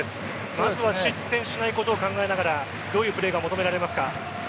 まずは失点しないことを考えながらどういうプレーが求められますか？